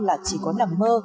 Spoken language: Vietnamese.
là chỉ có nằm mơ